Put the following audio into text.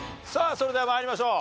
それでは参りましょう。